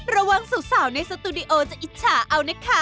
ระวังสาวในสตูดิโอจะอิจฉาเอานะคะ